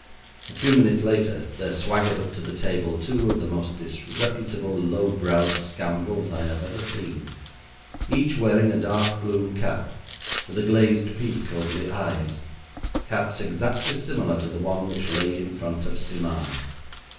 A few minutes later there swaggered up to the café two of the most disreputable, low browed scoundrels I had ever seen, each wearing a dark blue cap, with a glazed peak over the eyes; caps exactly similar to the one which lay in front of Simard.